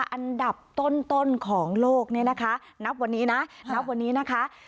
อันดับต้นของโลกนี้นะคะนับวันนี้นะคะ